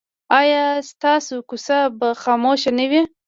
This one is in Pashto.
ایا ستاسو کوڅه به خاموشه نه وي؟